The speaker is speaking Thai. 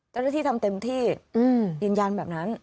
เจ้าหน้าที่ทำเต็มที่ยืนยันแบบนั้น